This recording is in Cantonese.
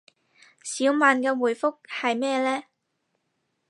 小曼嘅回覆係咩呢